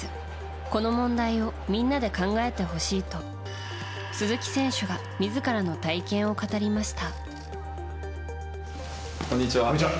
この問題をみんなで考えてほしいと鈴木選手が自らの体験を語りました。